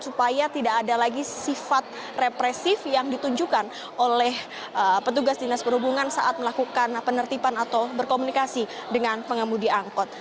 supaya tidak ada lagi sifat represif yang ditunjukkan oleh petugas dinas perhubungan saat melakukan penertiban atau berkomunikasi dengan pengemudi angkot